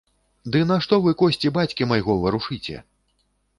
Ды нашто вы косці бацькі майго варушыце?